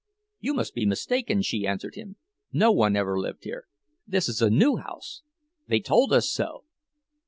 "You must be mistaken," she answered him. "No one ever lived here. This is a new house. They told us so.